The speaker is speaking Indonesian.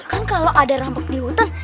kan kalau ada rambuk di hutan